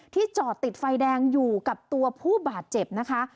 จอดติดไฟแดงอยู่กับตัวผู้บาดเจ็บนะคะ